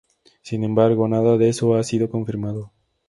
Sin embargo, nada de eso ha sido confirmado.